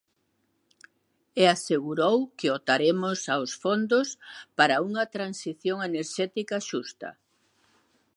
E asegurou que optaremos aos fondos para unha transición enerxética xusta.